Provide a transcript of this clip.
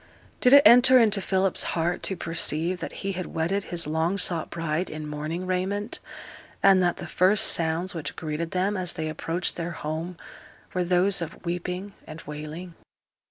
Did it enter into Philip's heart to perceive that he had wedded his long sought bride in mourning raiment, and that the first sounds which greeted them as they approached their home were those of weeping and wailing?